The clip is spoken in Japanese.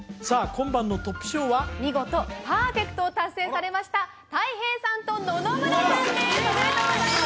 今晩のトップ賞は見事パーフェクトを達成されましたたい平さんと野々村さんですおめでとうございます！